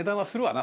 な